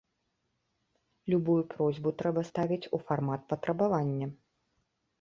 Любую просьбу трэба ставіць у фармат патрабавання.